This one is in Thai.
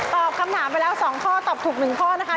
ตอบคำถามไปแล้ว๒ข้อตอบถูก๑ข้อนะคะ